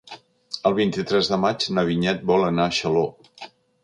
El vint-i-tres de maig na Vinyet vol anar a Xaló.